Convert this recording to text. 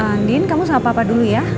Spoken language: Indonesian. andin kamu sama papa dulu ya